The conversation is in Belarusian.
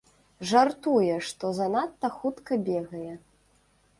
Жартуе, што занадта хутка бегае.